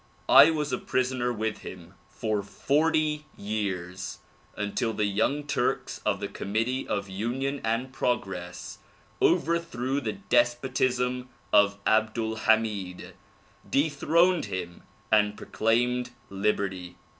I was a prisoner wdth him for forty years until the Young Turks of the Committee of Union and Progress over threw the despotism of Abdul Hamid, dethroned him and proclaimed liberty.